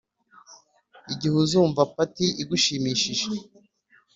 igihe uzumva part igushimishije